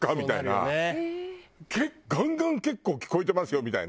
ガンガン結構聞こえてますよみたいな。